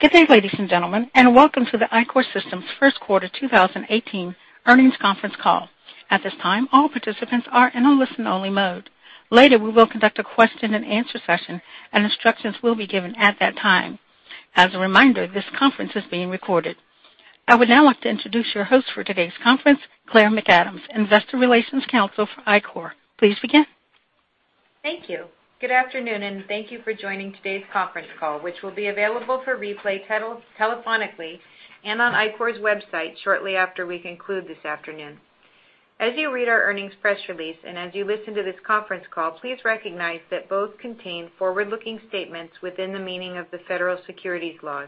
Good day, ladies and gentlemen, and welcome to the Ichor Systems first quarter 2018 earnings conference call. At this time, all participants are in a listen-only mode. Later, we will conduct a question and answer session, and instructions will be given at that time. As a reminder, this conference is being recorded. I would now like to introduce your host for today's conference, Claire McAdams, investor relations counsel for Ichor. Please begin. Thank you. Good afternoon. Thank you for joining today's conference call, which will be available for replay telephonically and on Ichor's website shortly after we conclude this afternoon. As you read our earnings press release, as you listen to this conference call, please recognize that both contain forward-looking statements within the meaning of the federal securities laws.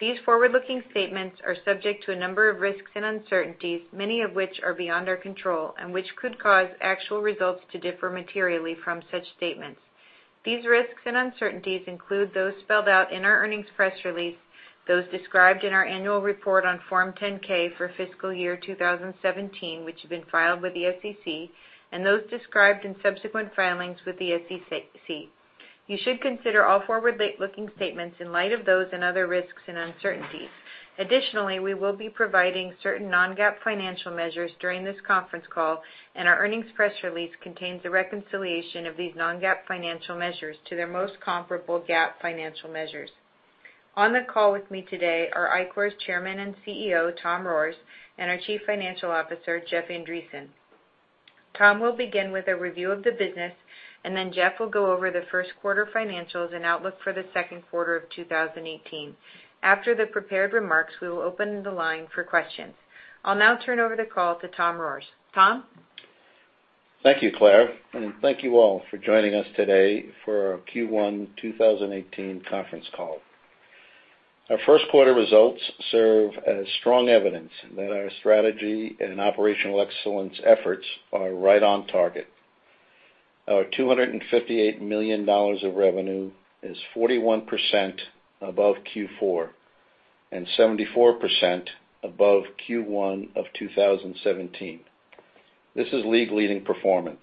These forward-looking statements are subject to a number of risks and uncertainties, many of which are beyond our control, and which could cause actual results to differ materially from such statements. These risks and uncertainties include those spelled out in our earnings press release, those described in our annual report on Form 10-K for fiscal year 2017, which has been filed with the SEC, and those described in subsequent filings with the SEC. You should consider all forward-looking statements in light of those and other risks and uncertainties. Additionally, we will be providing certain non-GAAP financial measures during this conference call. Our earnings press release contains a reconciliation of these non-GAAP financial measures to their most comparable GAAP financial measures. On the call with me today are Ichor's Chairman and CEO, Tom Rohrs, and our Chief Financial Officer, Jeff Andreson. Tom will begin with a review of the business. Then Jeff will go over the first quarter financials and outlook for the second quarter of 2018. After the prepared remarks, we will open the line for questions. I'll now turn over the call to Tom Rohrs. Tom? Thank you, Claire. Thank you all for joining us today for our Q1 2018 conference call. Our first quarter results serve as strong evidence that our strategy and operational excellence efforts are right on target. Our $258 million of revenue is 41% above Q4 and 74% above Q1 of 2017. This is league leading performance.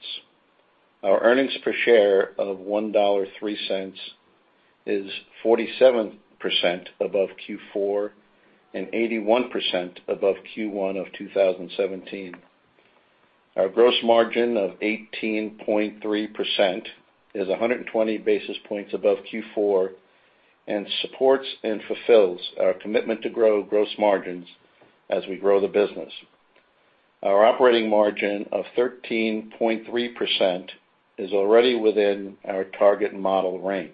Our earnings per share of $1.03 is 47% above Q4 and 81% above Q1 of 2017. Our gross margin of 18.3% is 120 basis points above Q4 and supports and fulfills our commitment to grow gross margins as we grow the business. Our operating margin of 13.3% is already within our target model range.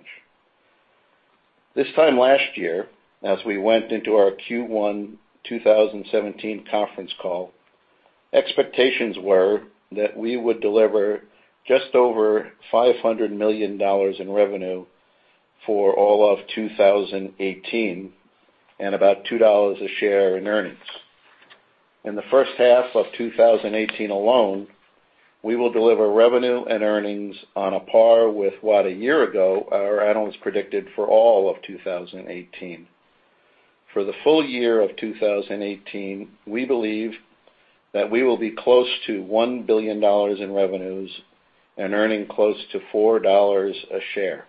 This time last year, as we went into our Q1 2017 conference call, expectations were that we would deliver just over $500 million in revenue for all of 2018 and about $2 a share in earnings. In the first half of 2018 alone, we will deliver revenue and earnings on a par with what a year ago our analysts predicted for all of 2018. For the full year of 2018, we believe that we will be close to $1 billion in revenues and earning close to $4 a share.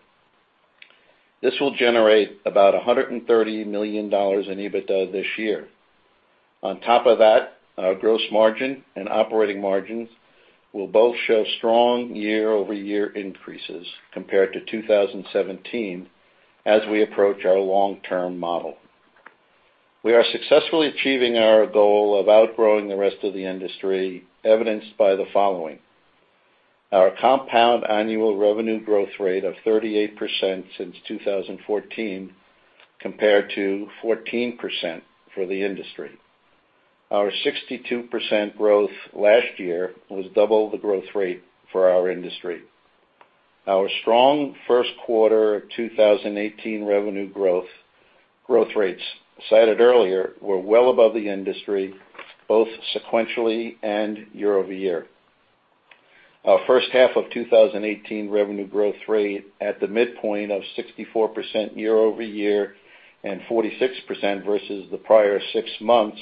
This will generate about $130 million in EBITDA this year. On top of that, our gross margin and operating margins will both show strong year-over-year increases compared to 2017 as we approach our long-term model. We are successfully achieving our goal of outgrowing the rest of the industry, evidenced by the following. Our compound annual revenue growth rate of 38% since 2014 compared to 14% for the industry. Our 62% growth last year was double the growth rate for our industry. Our strong first quarter 2018 revenue growth rates cited earlier were well above the industry, both sequentially and year-over-year. Our first half of 2018 revenue growth rate at the midpoint of 64% year-over-year and 46% versus the prior six months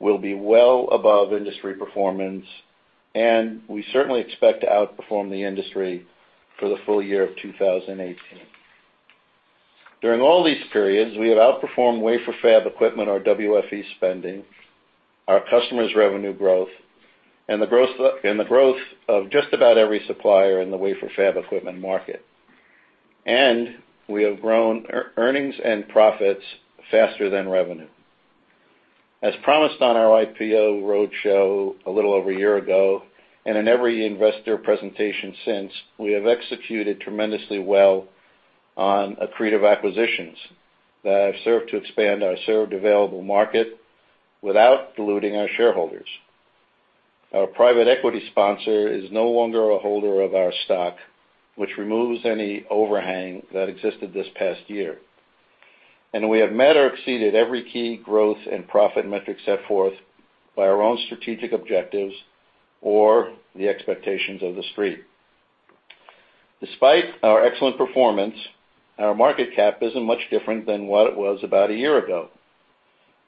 will be well above industry performance. We certainly expect to outperform the industry for the full year of 2018. During all these periods, we have outperformed wafer fab equipment or WFE spending, our customers' revenue growth, and the growth of just about every supplier in the wafer fab equipment market. We have grown earnings and profits faster than revenue. As promised on our IPO roadshow a little over a year ago, and in every investor presentation since, we have executed tremendously well on accretive acquisitions that have served to expand our served available market without diluting our shareholders. Our private equity sponsor is no longer a holder of our stock, which removes any overhang that existed this past year. We have met or exceeded every key growth and profit metric set forth by our own strategic objectives or the expectations of the Street. Despite our excellent performance, our market cap isn't much different than what it was about a year ago.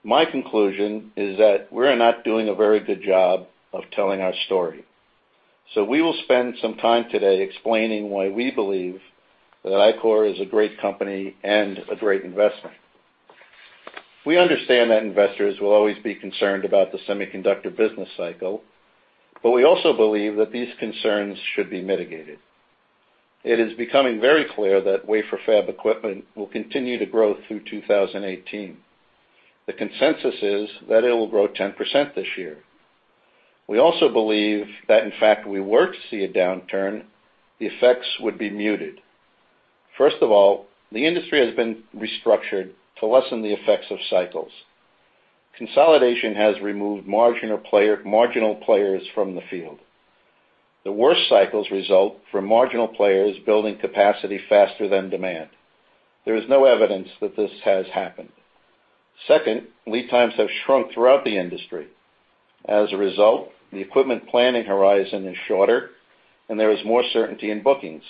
My conclusion is that we're not doing a very good job of telling our story. We will spend some time today explaining why we believe that Ichor is a great company and a great investment. We understand that investors will always be concerned about the semiconductor business cycle, but we also believe that these concerns should be mitigated. It is becoming very clear that wafer fab equipment will continue to grow through 2018. The consensus is that it will grow 10% this year. We also believe that, in fact, if we were to see a downturn, the effects would be muted. First of all, the industry has been restructured to lessen the effects of cycles. Consolidation has removed marginal players from the field. The worst cycles result from marginal players building capacity faster than demand. There is no evidence that this has happened. Second, lead times have shrunk throughout the industry. As a result, the equipment planning horizon is shorter, and there is more certainty in bookings.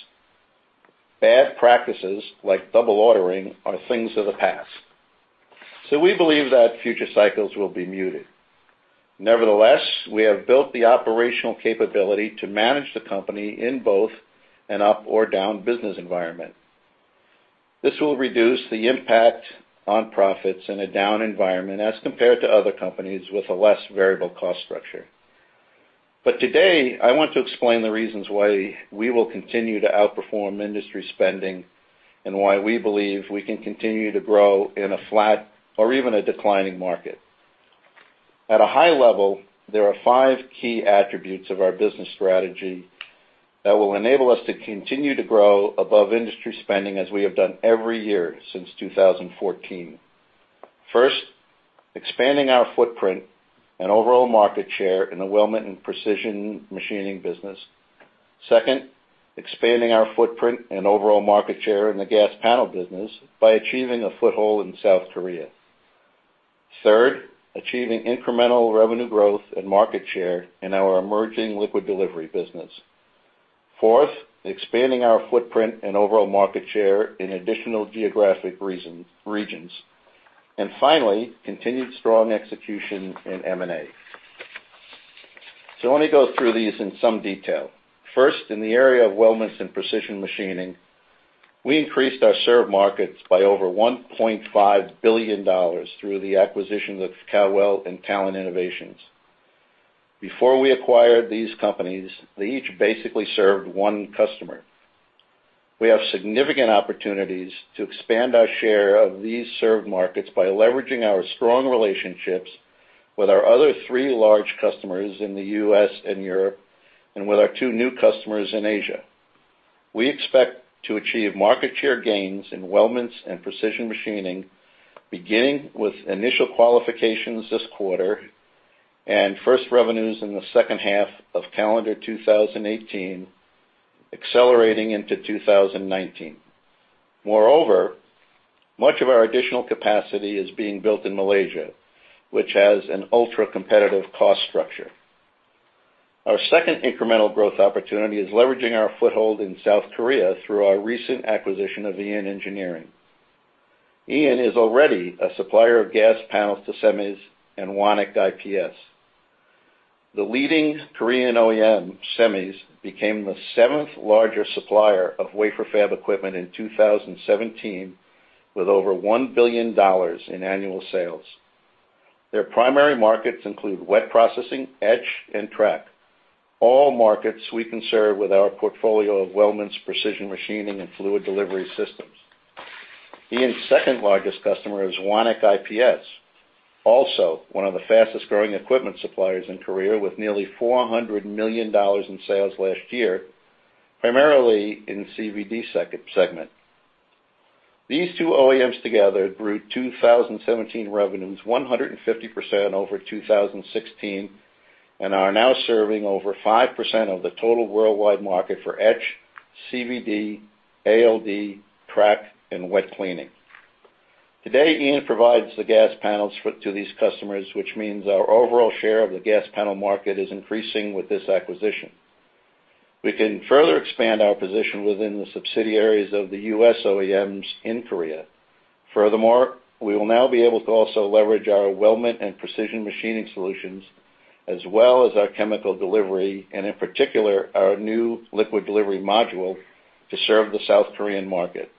Bad practices like double ordering are things of the past. We believe that future cycles will be muted. Nevertheless, we have built the operational capability to manage the company in both an up or down business environment. This will reduce the impact on profits in a down environment as compared to other companies with a less variable cost structure. Today, I want to explain the reasons why we will continue to outperform industry spending and why we believe we can continue to grow in a flat or even a declining market. At a high level, there are five key attributes of our business strategy that will enable us to continue to grow above industry spending as we have done every year since 2014. First, expanding our footprint and overall market share in the weldment and precision machining business. Second, expanding our footprint and overall market share in the gas panel business by achieving a foothold in South Korea. Third, achieving incremental revenue growth and market share in our emerging liquid delivery business. Fourth, expanding our footprint and overall market share in additional geographic regions. Finally, continued strong execution in M&A. Let me go through these in some detail. First, in the area of weldments and precision machining, we increased our served markets by over $1.5 billion through the acquisition of Cal-Weld and Talon Innovations. Before we acquired these companies, they each basically served one customer. We have significant opportunities to expand our share of these served markets by leveraging our strong relationships with our other three large customers in the U.S. and Europe, and with our two new customers in Asia. We expect to achieve market share gains in weldments and precision machining, beginning with initial qualifications this quarter and first revenues in the second half of calendar 2018, accelerating into 2019. Moreover, much of our additional capacity is being built in Malaysia, which has an ultra-competitive cost structure. Our second incremental growth opportunity is leveraging our foothold in South Korea through our recent acquisition of EN Engineering. EN is already a supplier of gas panels to Semes and Wonik IPS. The leading Korean OEM, Semes, became the seventh largest supplier of wafer fab equipment in 2017, with over $1 billion in annual sales. Their primary markets include wet processing, etch, and track, all markets we can serve with our portfolio of weldments, precision machining, and fluid delivery systems. EN's second largest customer is Wonik IPS, also one of the fastest-growing equipment suppliers in Korea, with nearly $400 million in sales last year, primarily in CVD segment. These two OEMs together grew 2017 revenues 150% over 2016 and are now serving over 5% of the total worldwide market for etch, CVD, ALD, track, and wet cleaning. Today, EN provides the gas panels to these customers, which means our overall share of the gas panel market is increasing with this acquisition. We can further expand our position within the subsidiaries of the U.S. OEMs in Korea. Furthermore, we will now be able to also leverage our weldment and precision machining solutions, as well as our chemical delivery, and in particular, our new liquid delivery module to serve the South Korean market.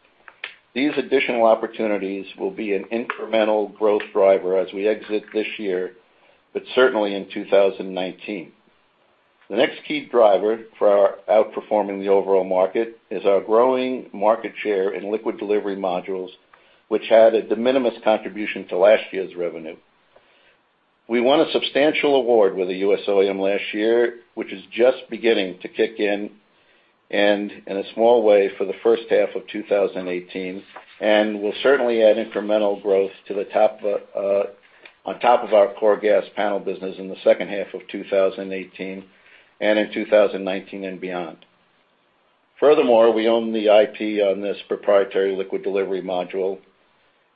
These additional opportunities will be an incremental growth driver as we exit this year, but certainly in 2019. The next key driver for outperforming the overall market is our growing market share in liquid delivery modules, which had a de minimis contribution to last year's revenue. We won a substantial award with a U.S. OEM last year, which is just beginning to kick in, and in a small way, for the first half of 2018, and will certainly add incremental growth on top of our core gas panel business in the second half of 2018, and in 2019 and beyond. We own the IP on this proprietary liquid delivery module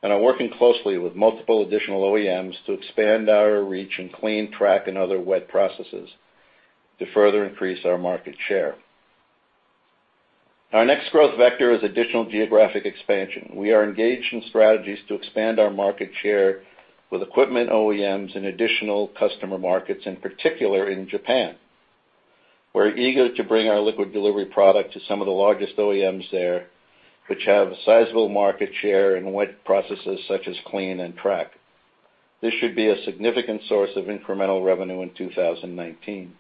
and are working closely with multiple additional OEMs to expand our reach in clean track and other wet processes to further increase our market share. Our next growth vector is additional geographic expansion. We are engaged in strategies to expand our market share with equipment OEMs in additional customer markets, in particular, in Japan. We are eager to bring our liquid delivery product to some of the largest OEMs there, which have a sizable market share in wet processes such as clean and track. This should be a significant source of incremental revenue in 2019.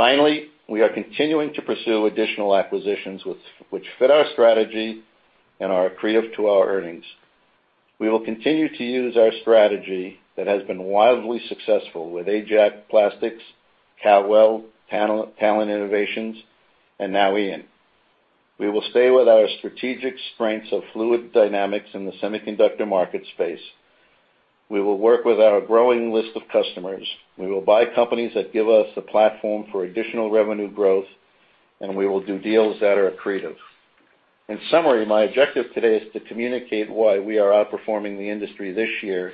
Finally, we are continuing to pursue additional acquisitions which fit our strategy and are accretive to our earnings. We will continue to use our strategy that has been wildly successful with Ajax Plastics, Cal-Weld, Talon Innovations, and now EN. We will stay with our strategic strengths of fluid dynamics in the semiconductor market space. We will work with our growing list of customers. We will buy companies that give us the platform for additional revenue growth, and we will do deals that are accretive. In summary, my objective today is to communicate why we are outperforming the industry this year.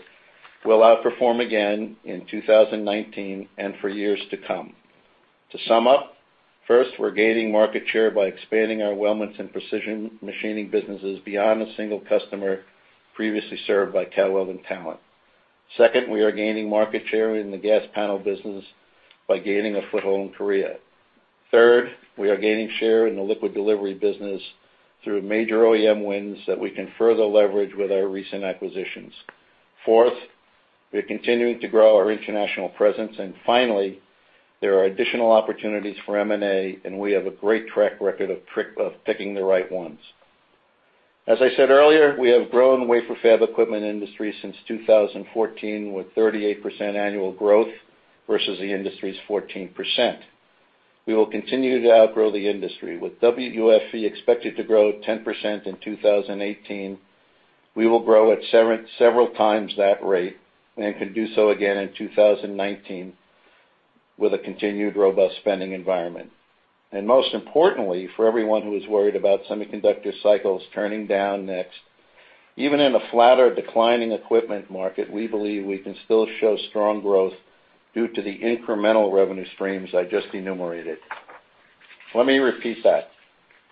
We will outperform again in 2019 and for years to come. To sum up, first, we are gaining market share by expanding our weldments and precision machining businesses beyond a single customer previously served by Cal-Weld and Talon. Second, we are gaining market share in the gas panel business by gaining a foothold in Korea. Third, we are gaining share in the liquid delivery business through major OEM wins that we can further leverage with our recent acquisitions. Fourth, we are continuing to grow our international presence. Finally, there are additional opportunities for M&A, and we have a great track record of picking the right ones. As I said earlier, we have grown the wafer fab equipment industry since 2014, with 38% annual growth versus the industry's 14%. We will continue to outgrow the industry. With WFE expected to grow 10% in 2018, we will grow at several times that rate and could do so again in 2019 with a continued robust spending environment. Most importantly, for everyone who is worried about semiconductor cycles turning down next, even in a flatter declining equipment market, we believe we can still show strong growth due to the incremental revenue streams I just enumerated. Let me repeat that.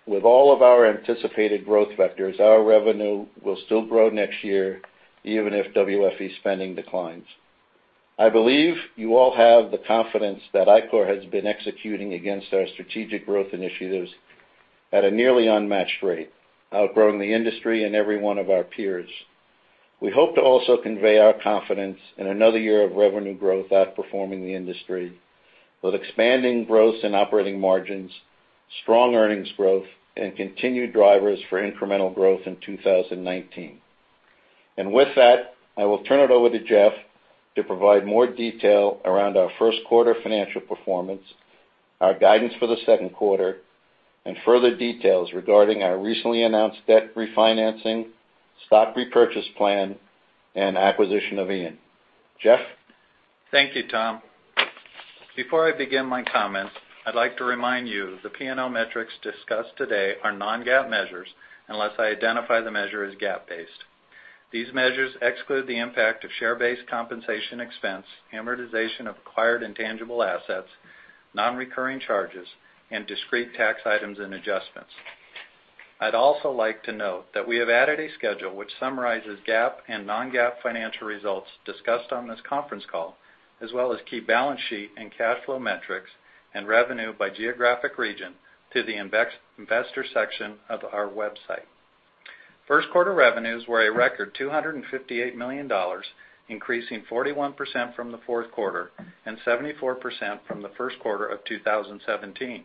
With all of our anticipated growth vectors, our revenue will still grow next year even if WFE spending declines. I believe you all have the confidence that Ichor has been executing against our strategic growth initiatives at a nearly unmatched rate, outgrowing the industry and every one of our peers. We hope to also convey our confidence in another year of revenue growth outperforming the industry, with expanding gross and operating margins, strong earnings growth, and continued drivers for incremental growth in 2019. With that, I will turn it over to Jeff to provide more detail around our first quarter financial performance, our guidance for the second quarter, and further details regarding our recently announced debt refinancing, stock repurchase plan, and acquisition of IAN Engineering. Jeff? Thank you, Tom. Before I begin my comments, I'd like to remind you the P&L metrics discussed today are non-GAAP measures unless I identify the measure as GAAP-based. These measures exclude the impact of share-based compensation expense, amortization of acquired intangible assets, non-recurring charges, and discrete tax items and adjustments. I'd also like to note that we have added a schedule which summarizes GAAP and non-GAAP financial results discussed on this conference call, as well as key balance sheet and cash flow metrics and revenue by geographic region to the investor section of our website. First quarter revenues were a record $258 million, increasing 41% from the fourth quarter and 74% from the first quarter of 2017.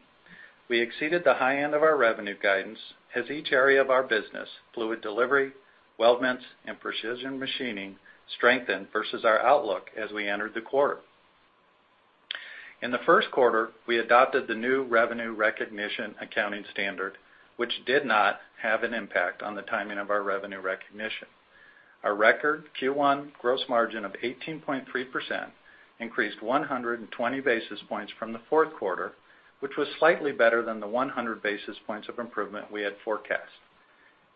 We exceeded the high end of our revenue guidance, as each area of our business, fluid delivery, weldments, and precision machining strengthened versus our outlook as we entered the quarter. In the first quarter, we adopted the new revenue recognition accounting standard, which did not have an impact on the timing of our revenue recognition. Our record Q1 gross margin of 18.3% increased 120 basis points from the fourth quarter, which was slightly better than the 100 basis points of improvement we had forecast.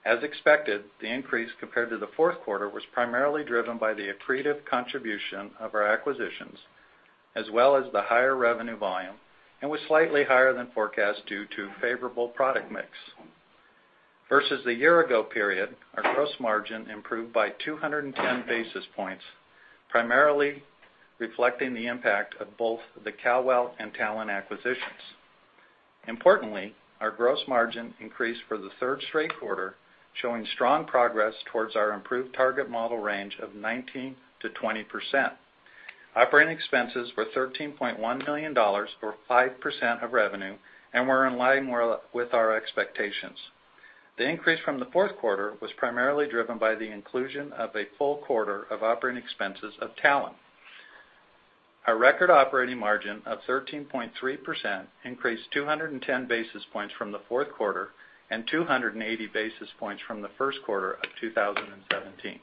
As expected, the increase compared to the fourth quarter was primarily driven by the accretive contribution of our acquisitions as well as the higher revenue volume and was slightly higher than forecast due to favorable product mix. Versus the year ago period, our gross margin improved by 210 basis points, primarily reflecting the impact of both the Cal-Weld and Talon acquisitions. Importantly, our gross margin increased for the third straight quarter, showing strong progress towards our improved target model range of 19%-20%. Operating expenses were $13.1 million, or 5% of revenue, and were in line with our expectations. The increase from the fourth quarter was primarily driven by the inclusion of a full quarter of operating expenses of Talon. Our record operating margin of 13.3% increased 210 basis points from the fourth quarter and 280 basis points from the first quarter of 2017.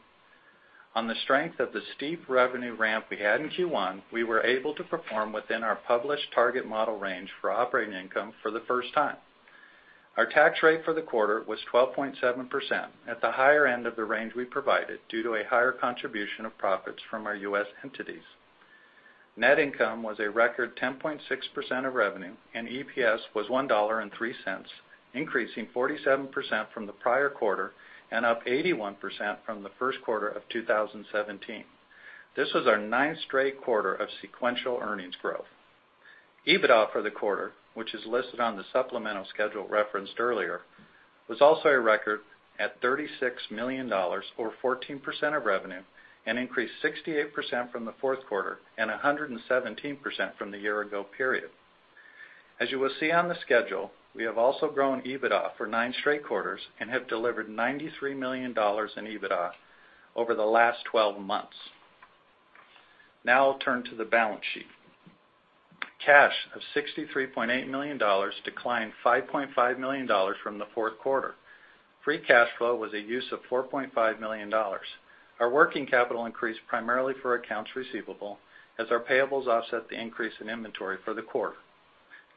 On the strength of the steep revenue ramp we had in Q1, we were able to perform within our published target model range for operating income for the first time. Our tax rate for the quarter was 12.7%, at the higher end of the range we provided due to a higher contribution of profits from our U.S. entities. Net income was a record 10.6% of revenue, and EPS was $1.03, increasing 47% from the prior quarter and up 81% from the first quarter of 2017. This was our ninth straight quarter of sequential earnings growth. EBITDA for the quarter, which is listed on the supplemental schedule referenced earlier, was also a record at $36 million or 14% of revenue and increased 68% from the fourth quarter and 117% from the year-ago period. As you will see on the schedule, we have also grown EBITDA for nine straight quarters and have delivered $93 million in EBITDA over the last 12 months. Now I'll turn to the balance sheet. Cash of $63.8 million declined $5.5 million from the fourth quarter. Free cash flow was a use of $4.5 million. Our working capital increased primarily for accounts receivable as our payables offset the increase in inventory for the quarter.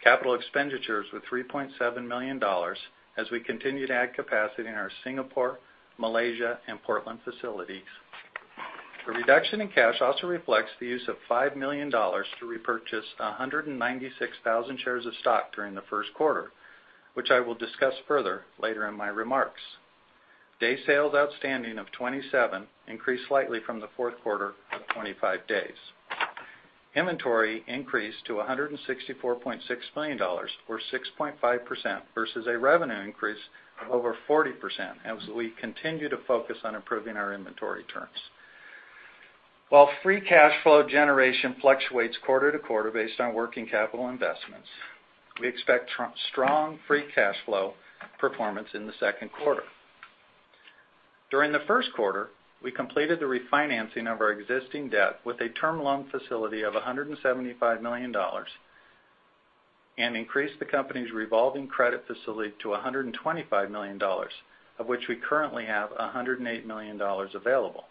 Capital expenditures were $3.7 million, as we continue to add capacity in our Singapore, Malaysia, and Portland facilities. The reduction in cash also reflects the use of $5 million to repurchase 196,000 shares of stock during the first quarter, which I will discuss further later in my remarks. Day sales outstanding of 27 increased slightly from the fourth quarter of 25 days. Inventory increased to $164.6 million or 6.5% versus a revenue increase of over 40% as we continue to focus on improving our inventory terms. While free cash flow generation fluctuates quarter to quarter based on working capital investments, we expect strong free cash flow performance in the second quarter. During the first quarter, we completed the refinancing of our existing debt with a term loan facility of $175 million and increased the company's revolving credit facility to $125 million, of which we currently have $108 million available.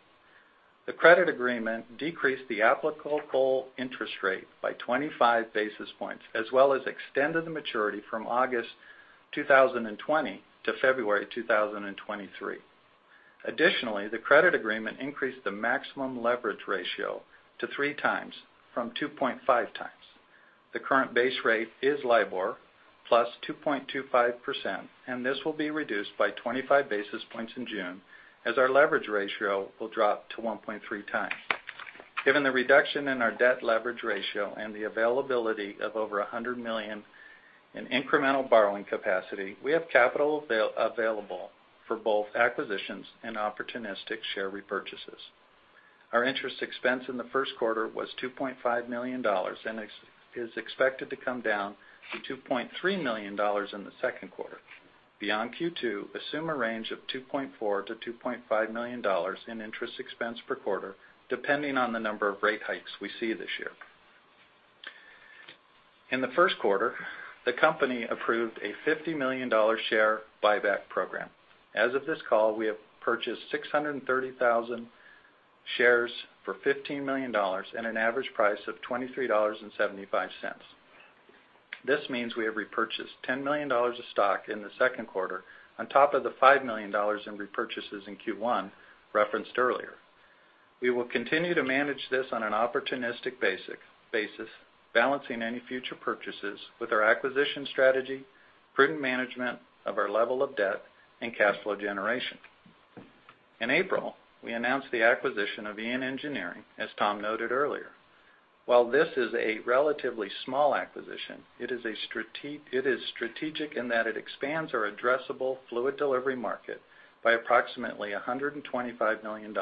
The credit agreement decreased the applicable interest rate by 25 basis points, as well as extended the maturity from August 2020 to February 2023. Additionally, the credit agreement increased the maximum leverage ratio to three times from 2.5 times. The current base rate is LIBOR plus 2.25%, and this will be reduced by 25 basis points in June, as our leverage ratio will drop to 1.3 times. Given the reduction in our debt leverage ratio and the availability of over $100 million in incremental borrowing capacity, we have capital available for both acquisitions and opportunistic share repurchases. Our interest expense in the first quarter was $2.5 million and is expected to come down to $2.3 million in the second quarter. Beyond Q2, assume a range of $2.4 million-$2.5 million in interest expense per quarter, depending on the number of rate hikes we see this year. In the first quarter, the company approved a $50 million share buyback program. As of this call, we have purchased 630,000 shares for $15 million and an average price of $23.75. This means we have repurchased $10 million of stock in the second quarter on top of the $5 million in repurchases in Q1 referenced earlier. We will continue to manage this on an opportunistic basis, balancing any future purchases with our acquisition strategy, prudent management of our level of debt, and cash flow generation. In April, we announced the acquisition of EN Engineering, as Tom noted earlier. While this is a relatively small acquisition, it is strategic in that it expands our addressable fluid delivery market by approximately $125 million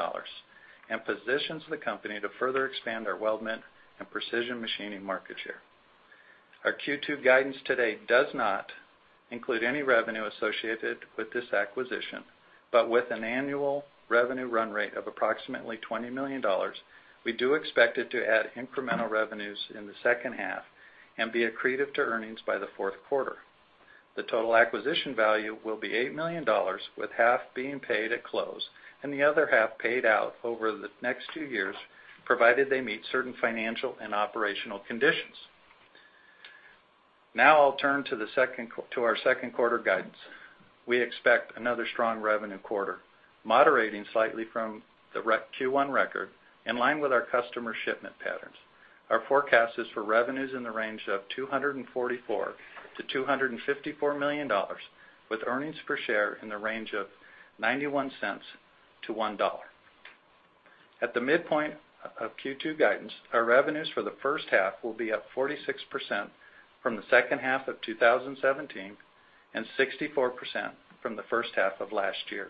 and positions the company to further expand our weldment and precision machining market share. Our Q2 guidance today does not include any revenue associated with this acquisition, but with an annual revenue run rate of approximately $20 million, we do expect it to add incremental revenues in the second half and be accretive to earnings by the fourth quarter. The total acquisition value will be $8 million, with half being paid at close and the other half paid out over the next two years, provided they meet certain financial and operational conditions. Now I'll turn to our second quarter guidance. We expect another strong revenue quarter, moderating slightly from the Q1 record, in line with our customer shipment patterns. Our forecast is for revenues in the range of $244 million-$254 million, with earnings per share in the range of $0.91-$1.00. At the midpoint of Q2 guidance, our revenues for the first half will be up 46% from the second half of 2017 and 64% from the first half of last year.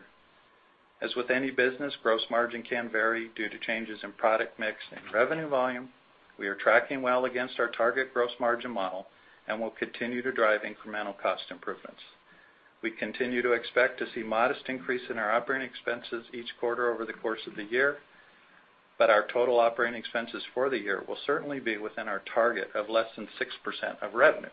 As with any business, gross margin can vary due to changes in product mix and revenue volume. We are tracking well against our target gross margin model and will continue to drive incremental cost improvements. We continue to expect to see modest increase in our operating expenses each quarter over the course of the year, but our total operating expenses for the year will certainly be within our target of less than 6% of revenue.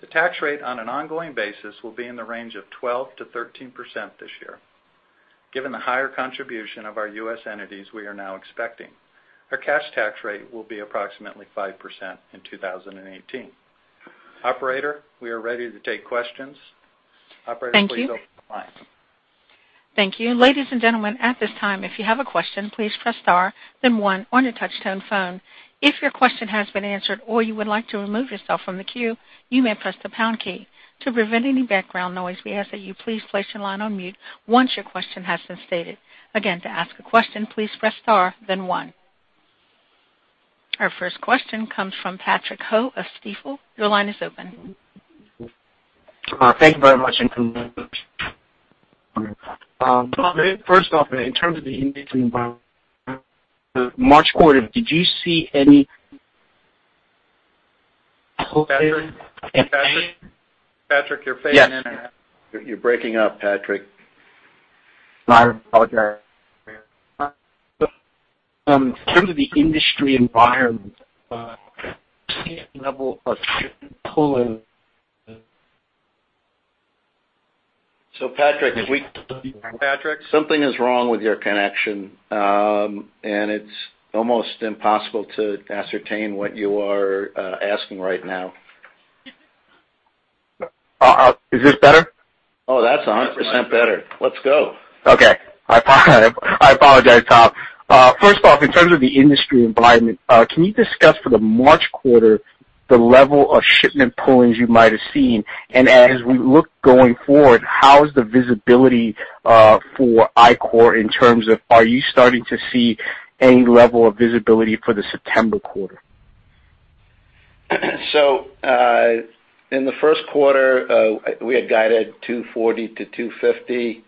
The tax rate on an ongoing basis will be in the range of 12%-13% this year. Given the higher contribution of our U.S. entities we are now expecting, our cash tax rate will be approximately 5% in 2018. Operator, we are ready to take questions. Operator, please open the lines. Thank you. Ladies and gentlemen, at this time, if you have a question, please press star then one on your touch-tone phone. If your question has been answered or you would like to remove yourself from the queue, you may press the pound key. To prevent any background noise, we ask that you please place your line on mute once your question has been stated. Again, to ask a question, please press star then one. Our first question comes from Patrick Ho of Stifel. Your line is open. Thank you very much and congratulations. Tom, first off, in terms of the industry environment, the March quarter, did you see any Patrick? Patrick? Patrick, you're fading in and out. Yes. You're breaking up, Patrick. I apologize. In terms of the industry environment, can you level us. Patrick, something is wrong with your connection. It's almost impossible to ascertain what you are asking right now. Is this better? Oh, that's 100% better. Let's go. Okay. I apologize, Tom. First off, in terms of the industry environment, can you discuss for the March quarter the level of shipment pull-ins you might have seen? As we look going forward, how is the visibility for Ichor in terms of are you starting to see any level of visibility for the September quarter? In the first quarter, we had guided $240 million-$250 million.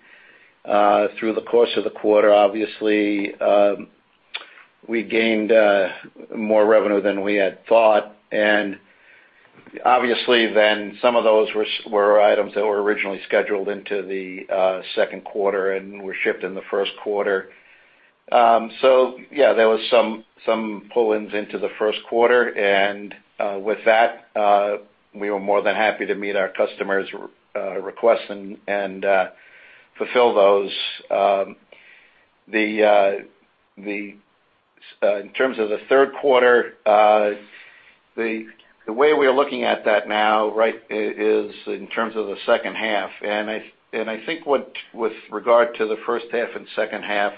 Through the course of the quarter, obviously, we gained more revenue than we had thought. Obviously then some of those were items that were originally scheduled into the second quarter and were shipped in the first quarter. Yeah, there was some pull-ins into the first quarter, and, with that, we were more than happy to meet our customers' requests and fulfill those. In terms of the third quarter, the way we're looking at that now is in terms of the second half. I think with regard to the first half and second half,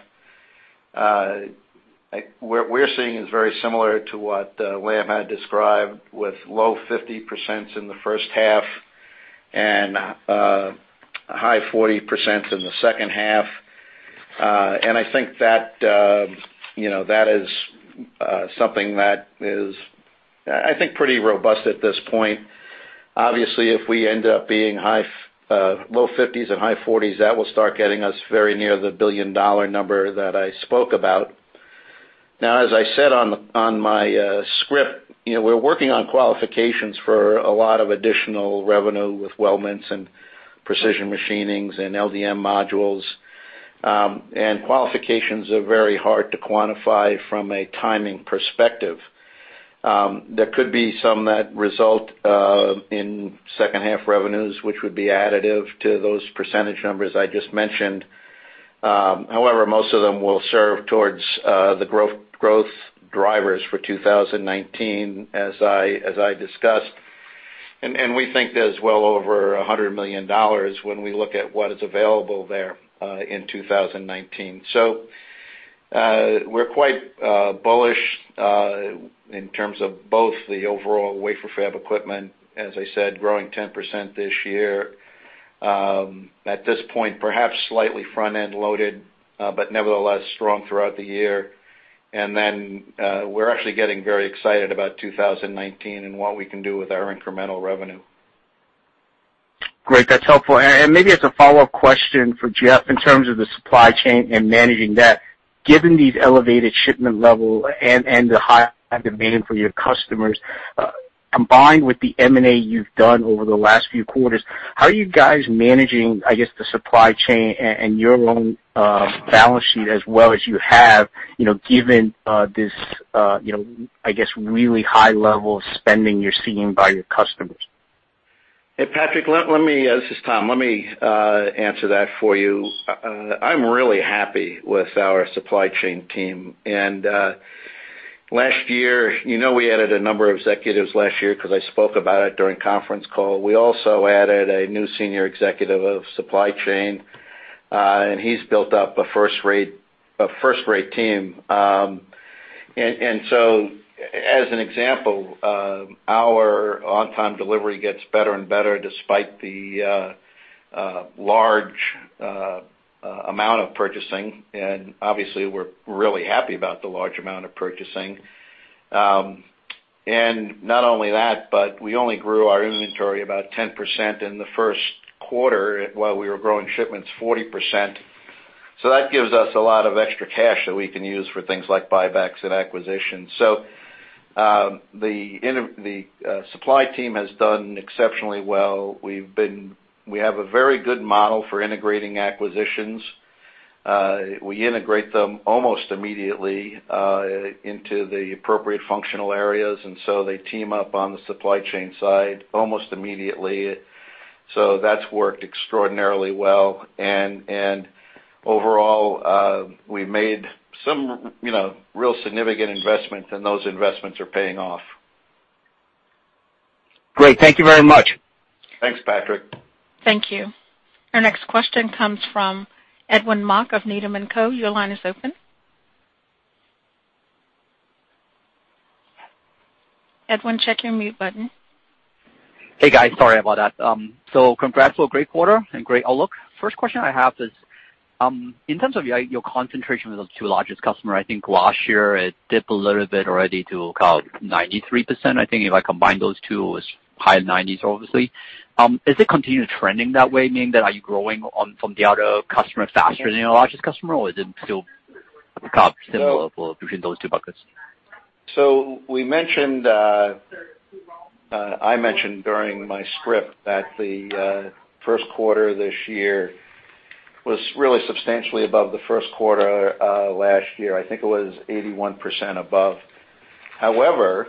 what we're seeing is very similar to what Weihua had described with low 50% in the first half and high 40% in the second half. I think that is something that is, I think pretty robust at this point. Obviously, if we end up being low 50s and high 40s, that will start getting us very near the billion-dollar number that I spoke about. As I said on my script, we're working on qualifications for a lot of additional revenue with weldments and precision machinings and LDM modules. Qualifications are very hard to quantify from a timing perspective. There could be some that result in second-half revenues, which would be additive to those percentage numbers I just mentioned. However, most of them will serve towards the growth drivers for 2019, as I discussed, and we think there's well over $100 million when we look at what is available there, in 2019. We're quite bullish, in terms of both the overall wafer fab equipment, as I said, growing 10% this year. At this point, perhaps slightly front-end loaded, but nevertheless strong throughout the year. We're actually getting very excited about 2019 and what we can do with our incremental revenue. Great. That's helpful. Maybe as a follow-up question for Jeff in terms of the supply chain and managing that. Given these elevated shipment level and the high demand from your customers, combined with the M&A you've done over the last few quarters, how are you guys managing, I guess, the supply chain and your own balance sheet as well as you have, given this, I guess, really high level of spending you're seeing by your customers? Hey, Patrick, this is Tom. Let me answer that for you. I'm really happy with our supply chain team. Last year, you know we added a number of executives last year because I spoke about it during conference call. We also added a new senior executive of supply chain, he's built up a first-rate team. As an example, our on-time delivery gets better and better despite the large amount of purchasing, obviously, we're really happy about the large amount of purchasing. Not only that, but we only grew our inventory about 10% in the first quarter while we were growing shipments 40%. That gives us a lot of extra cash that we can use for things like buybacks and acquisitions. The supply team has done exceptionally well. We have a very good model for integrating acquisitions. We integrate them almost immediately into the appropriate functional areas, they team up on the supply chain side almost immediately. That's worked extraordinarily well. Overall, we've made some real significant investments, and those investments are paying off. Great. Thank you very much. Thanks, Patrick. Thank you. Our next question comes from Edwin Mok of Needham & Company. Your line is open. Edwin, check your mute button. Hey, guys. Sorry about that. Congrats on a great quarter and great outlook. First question I have is, in terms of your concentration with those two largest customers, I think last year it dipped a little bit already to 93%. I think if I combine those two, it was high 90s, obviously. Is it continuing trending that way, meaning that are you growing on from the other customer faster than your largest customer, or is it still similar between those two buckets? I mentioned during my script that the first quarter this year was really substantially above the first quarter last year. I think it was 81% above. However,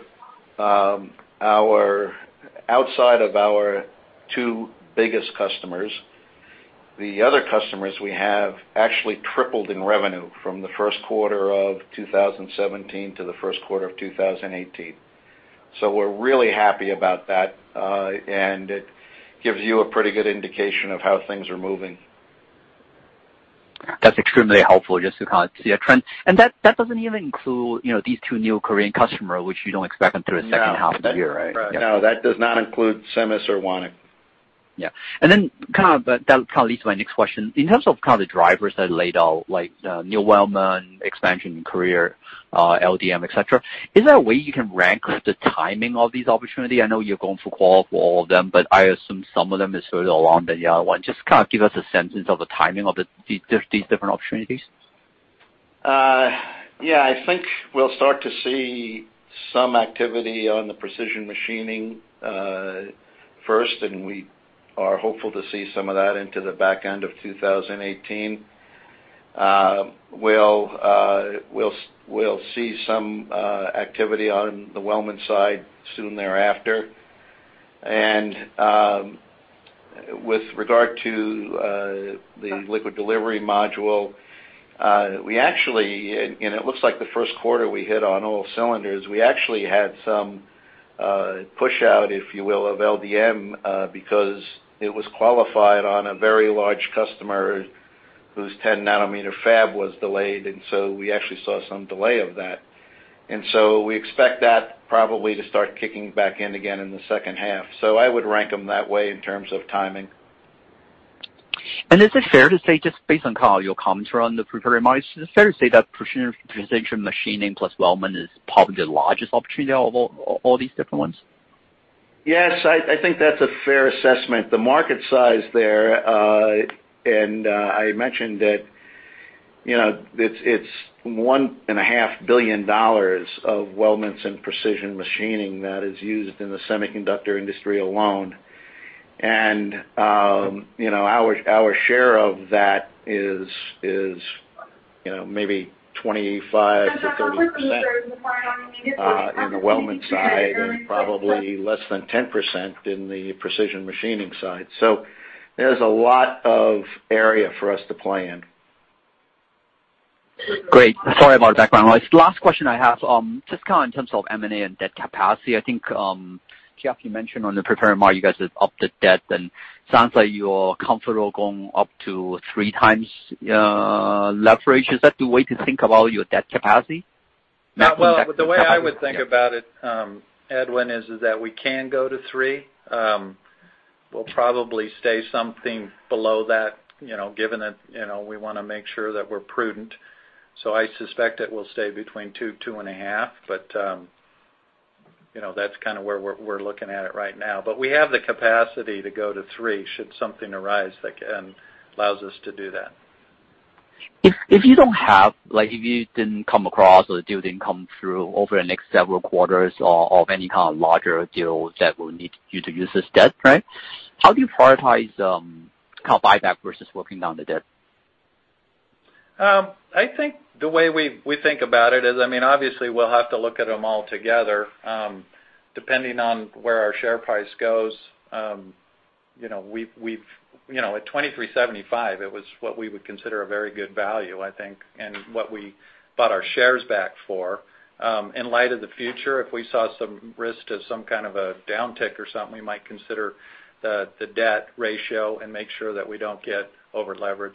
outside of our two biggest customers, the other customers we have actually tripled in revenue from the first quarter of 2017 to the first quarter of 2018. We're really happy about that, and it gives you a pretty good indication of how things are moving. That's extremely helpful just to kind of see a trend. That doesn't even include these two new Korean customers, which you don't expect until the second half of the year, right? No, that does not include Semes or Wonik. Yeah. Then that kind of leads to my next question. In terms of kind of drivers that laid out like the new weldment expansion in Korea, LDM, et cetera, is there a way you can rank the timing of these opportunities? I know you're going for qual for all of them, I assume some of them is further along than the other one. Just kind of give us a sense of the timing of these different opportunities. Yeah, I think we'll start to see some activity on the precision machining first, we are hopeful to see some of that into the back end of 2018. We'll see some activity on the weldment side soon thereafter. With regard to the liquid delivery module, it looks like the first quarter we hit on all cylinders, we actually had some push out, if you will, of LDM, because it was qualified on a very large customer whose 10-nanometer fab was delayed, we actually saw some delay of that. We expect that probably to start kicking back in again in the second half. I would rank them that way in terms of timing. Is it fair to say, just based on kind of your comments around the prepared remarks, is it fair to say that precision machining plus weldment is probably the largest opportunity out of all these different ones? Yes, I think that's a fair assessment. The market size there, I mentioned that it's $1.5 billion of weldments and precision machining that is used in the semiconductor industry alone. Our share of that is maybe 25%-30% in the weldment side, probably less than 10% in the precision machining side. There's a lot of area for us to play in. Great. Sorry about background noise. Last question I have, just in terms of M&A and debt capacity, I think, Jeff, you mentioned on the prepared remark you guys have upped the debt, and sounds like you're comfortable going up to 3 times leverage. Is that the way to think about your debt capacity? Maximum debt capacity. The way I would think about it, Edwin, is that we can go to 3. We'll probably stay something below that, given that we want to make sure that we're prudent. I suspect it will stay between 2.5. That's kind of where we're looking at it right now. We have the capacity to go to 3 should something arise that allows us to do that. If you don't have, if you didn't come across or the deal didn't come through over the next several quarters of any kind of larger deal that will need you to use this debt, right, how do you prioritize buyback versus working down the debt? I think the way we think about it is, obviously we'll have to look at them all together, depending on where our share price goes. At $23.75, it was what we would consider a very good value, I think, and what we bought our shares back for. In light of the future, if we saw some risk to some kind of a downtick or something, we might consider the debt ratio and make sure that we don't get over-leveraged.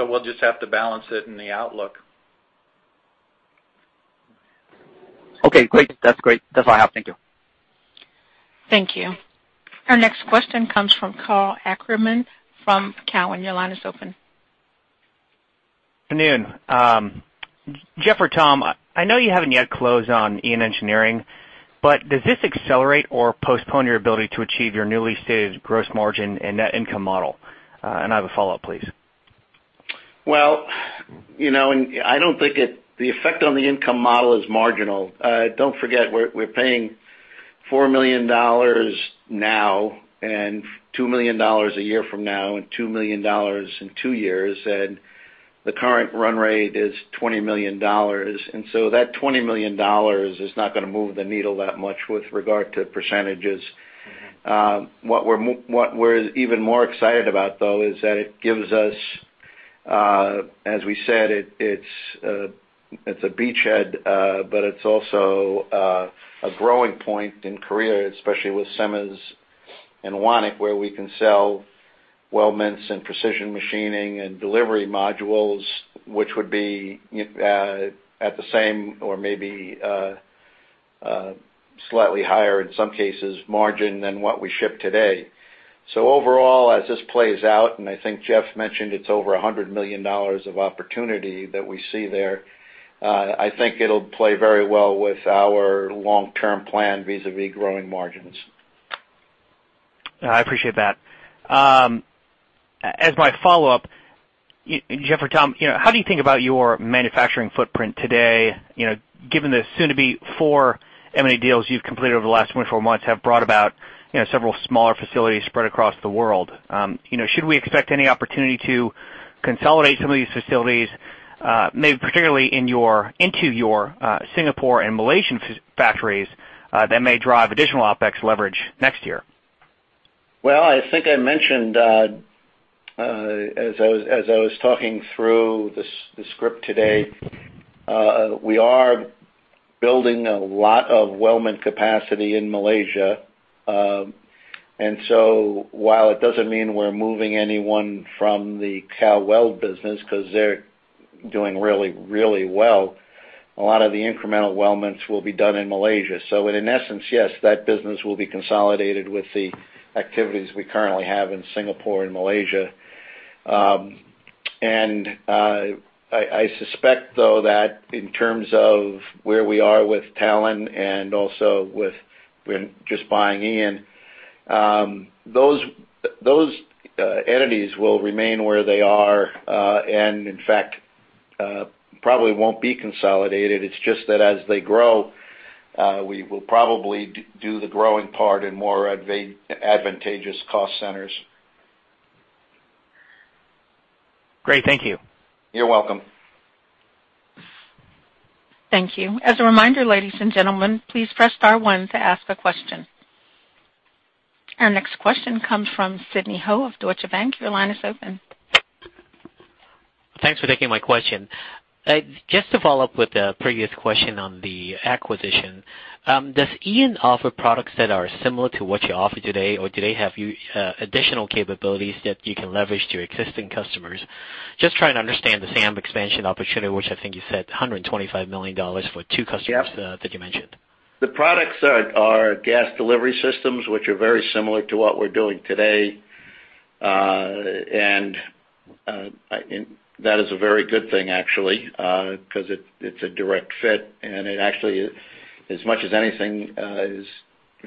We'll just have to balance it in the outlook. Okay, great. That's great. That's all I have. Thank you. Thank you. Our next question comes from Karl Ackerman from Cowen. Your line is open. Good noon. Jeff or Tom, I know you haven't yet closed on IAN Engineering, but does this accelerate or postpone your ability to achieve your newly stated gross margin and net income model? I have a follow-up, please. Well, I don't think the effect on the income model is marginal. Don't forget, we're paying $4 million now and $2 million a year from now and $2 million in two years, the current run rate is $20 million. That $20 million is not going to move the needle that much with regard to percentages. What we're even more excited about, though, is that it gives us, as we said, it's a beachhead, but it's also a growing point in Korea, especially with Semes and Wonik, where we can sell weldments and precision machining and delivery modules, which would be at the same or maybe slightly higher, in some cases, margin than what we ship today. overall, as this plays out, and I think Jeff mentioned it's over $100 million of opportunity that we see there, I think it'll play very well with our long-term plan vis-a-vis growing margins. I appreciate that. As my follow-up, Jeff or Tom, how do you think about your manufacturing footprint today, given the soon to be four M&A deals you've completed over the last 24 months have brought about several smaller facilities spread across the world? Should we expect any opportunity to consolidate some of these facilities, maybe particularly into your Singapore and Malaysian factories that may drive additional OpEx leverage next year? I think I mentioned, as I was talking through the script today, we are building a lot of weldment capacity in Malaysia. While it doesn't mean we're moving anyone from the Cal-Weld business because they're doing really well, a lot of the incremental weldments will be done in Malaysia. In essence, yes, that business will be consolidated with the activities we currently have in Singapore and Malaysia. I suspect, though, that in terms of where we are with Talon and also with just buying IAN, those entities will remain where they are, and in fact, probably won't be consolidated. It's just that as they grow, we will probably do the growing part in more advantageous cost centers. Great. Thank you. You're welcome. Thank you. As a reminder, ladies and gentlemen, please press star one to ask a question. Our next question comes from Sidney Ho of Deutsche Bank. Your line is open. Thanks for taking my question. Just to follow up with the previous question on the acquisition. Does IAN offer products that are similar to what you offer today, or do they have additional capabilities that you can leverage to your existing customers? Just trying to understand the SAM expansion opportunity, which I think you said $125 million for two customers- Yep that you mentioned. The products are gas delivery systems, which are very similar to what we're doing today. That is a very good thing actually, because it's a direct fit, and it actually, as much as anything, is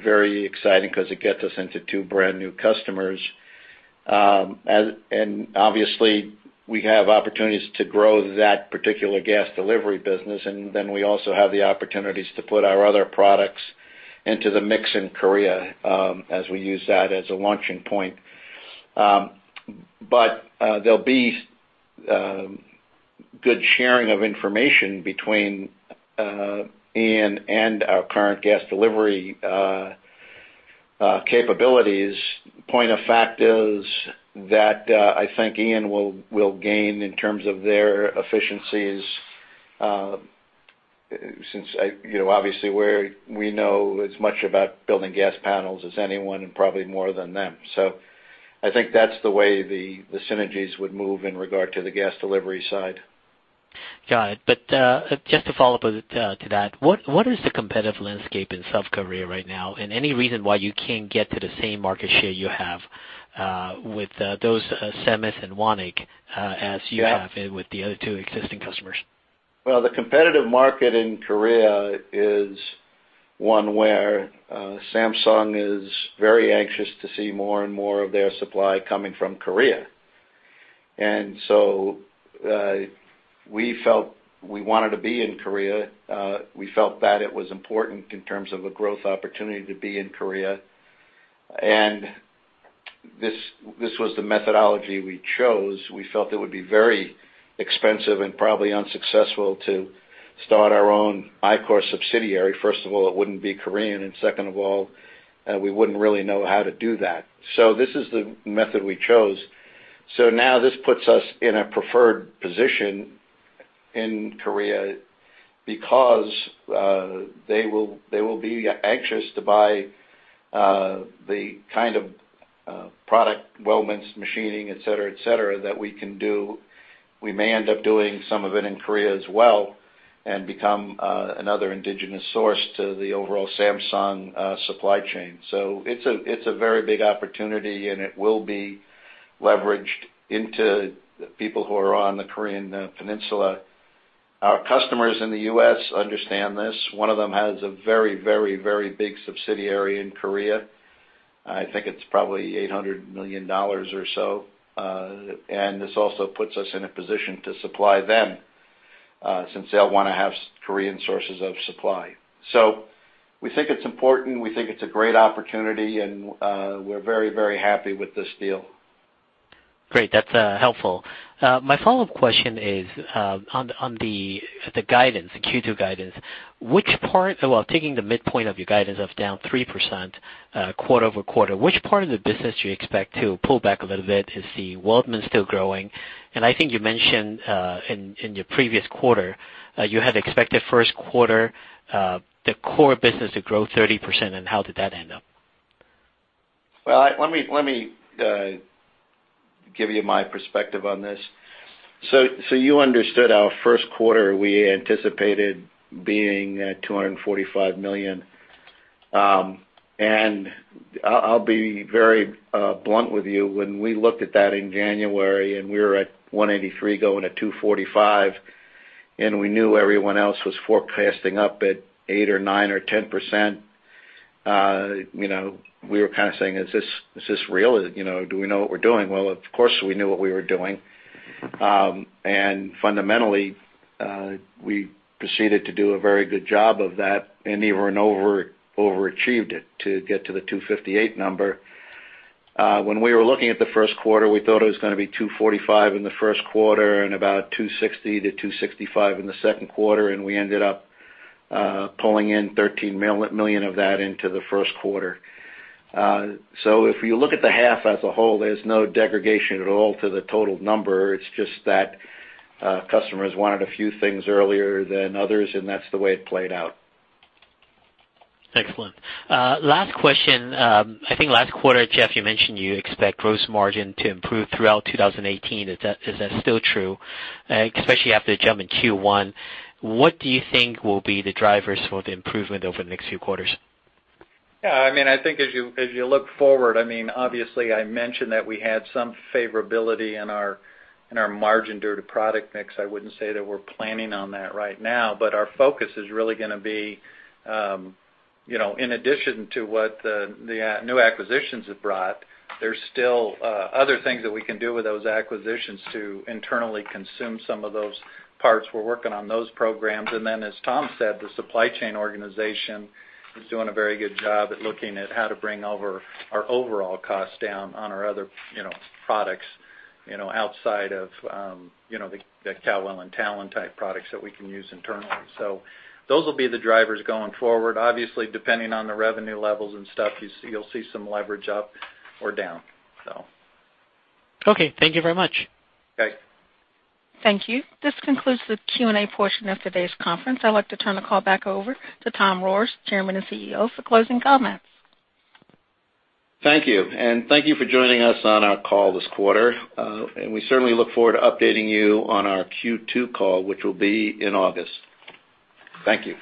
very exciting because it gets us into two brand-new customers. Obviously we have opportunities to grow that particular gas delivery business, and then we also have the opportunities to put our other products into the mix in Korea, as we use that as a launching point. There'll be good sharing of information between IAN and our current gas delivery capabilities. Point of fact is that I think IAN will gain in terms of their efficiencies, since obviously we know as much about building gas panels as anyone and probably more than them. I think that's the way the synergies would move in regard to the gas delivery side. Got it. Just to follow up to that, what is the competitive landscape in South Korea right now, and any reason why you can't get to the same market share you have with those Semes and Wonik as you have with the other two existing customers? The competitive market in Korea is one where Samsung is very anxious to see more and more of their supply coming from Korea. We felt we wanted to be in Korea. We felt that it was important in terms of a growth opportunity to be in Korea, and this was the methodology we chose. We felt it would be very expensive and probably unsuccessful to start our own Ichor subsidiary. First of all, it wouldn't be Korean, and second of all, we wouldn't really know how to do that. This is the method we chose. Now this puts us in a preferred position in Korea because they will be anxious to buy the kind of product weldments, machining, et cetera, et cetera, that we can do. We may end up doing some of it in Korea as well and become another indigenous source to the overall Samsung supply chain. It's a very big opportunity, and it will be leveraged into people who are on the Korean peninsula. Our customers in the U.S. understand this. One of them has a very big subsidiary in Korea. I think it's probably $800 million or so. This also puts us in a position to supply them, since they'll want to have Korean sources of supply. We think it's important. We think it's a great opportunity, and we're very happy with this deal. Great. That's helpful. My follow-up question is on the guidance, the Q2 guidance. Taking the midpoint of your guidance of down 3% quarter-over-quarter, which part of the business do you expect to pull back a little bit to see weldments still growing? I think you mentioned in your previous quarter, you had expected first quarter, the core business to grow 30%, and how did that end up? Let me give you my perspective on this. You understood our first quarter, we anticipated being at $245 million. I'll be very blunt with you, when we looked at that in January, we were at $183 million going to $245 million, we knew everyone else was forecasting up at 8% or 9% or 10%, we were kind of saying, "Is this real? Do we know what we're doing?" Of course, we knew what we were doing. Fundamentally, we proceeded to do a very good job of that and even over-achieved it to get to the $258 million number. When we were looking at the first quarter, we thought it was going to be $245 million in the first quarter and about $260 million to $265 million in the second quarter, we ended up pulling in $13 million of that into the first quarter. If you look at the half as a whole, there's no degradation at all to the total number. It's just that customers wanted a few things earlier than others, that's the way it played out. Excellent. Last question. I think last quarter, Jeff, you mentioned you expect gross margin to improve throughout 2018. Is that still true? Especially after the jump in Q1, what do you think will be the drivers for the improvement over the next few quarters? I think as you look forward, obviously, I mentioned that we had some favorability in our margin due to product mix. I wouldn't say that we're planning on that right now, but our focus is really going to be, in addition to what the new acquisitions have brought, there's still other things that we can do with those acquisitions to internally consume some of those parts. We're working on those programs. As Tom said, the supply chain organization is doing a very good job at looking at how to bring our overall cost down on our other products outside of the Cal-Weld and Talon type products that we can use internally. Those will be the drivers going forward. Obviously, depending on the revenue levels and stuff, you'll see some leverage up or down. Thank you very much. Okay. Thank you. This concludes the Q&A portion of today's conference. I'd like to turn the call back over to Tom Rohrs, Chairman and CEO, for closing comments. Thank you. Thank you for joining us on our call this quarter. We certainly look forward to updating you on our Q2 call, which will be in August. Thank you.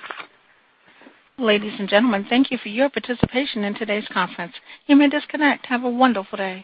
Ladies and gentlemen, thank you for your participation in today's conference. You may disconnect. Have a wonderful day.